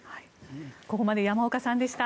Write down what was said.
ここまで山岡さんでした。